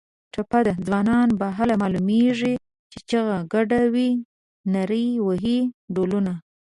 ټپه ده: ځوانان به هله معلومېږي چې چیغه ګډه وي نري وهي ډولونه